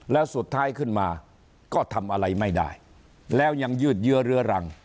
แล้วสุดท้ายขึ้นมาก็ทำอะไรไม่ได้แล้วยังยืดเยื้อเรื้อรัง